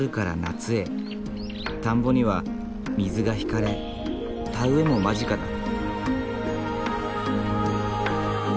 田んぼには水が引かれ田植えも間近だ。